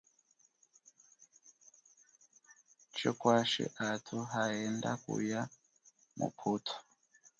Chikwashi athu haenda kuya muputhu.